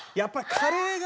カレーが。